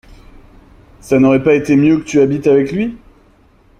Ça n’aurait pas été mieux que tu habites avec lui ?